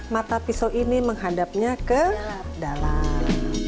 mata pisau ini menghadapnya ke dalam